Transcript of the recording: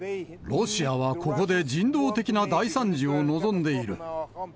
ロシアはここで人道的な大惨事を望んでいる。